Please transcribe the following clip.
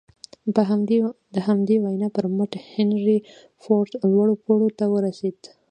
د همدې وينا پر مټ هنري فورډ لوړو پوړيو ته ورسېد.